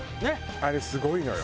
あれすごいのよ。